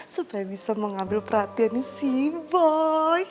supaya bisa mengambil perhatian si boy